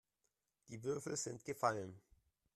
Die Würfel sind gefallen.